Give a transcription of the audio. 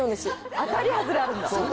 当たり外れあるんだ。